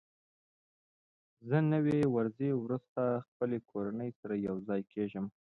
زه نوي ورځې وروسته خپلې کورنۍ سره یوځای کېږم.